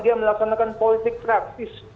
dia melaksanakan politik praktis